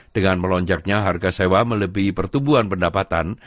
dengan melonjaknya harga sewa melebihi pertumbuhan pendapatan